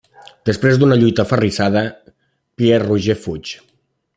Després d'una lluita aferrissada, Pierre Roger fuig.